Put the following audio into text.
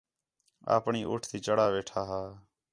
اپݨی اُٹھ تی چڑھا ویٹھا ہا